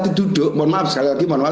diduduk mohon maaf sekali lagi